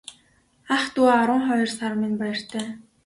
Ах дүү арван хоёр сар минь баяртай.